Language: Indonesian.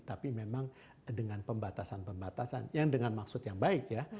tapi memang dengan pembatasan pembatasan yang dengan maksud yang baik ya